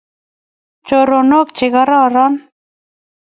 Choronok che kororon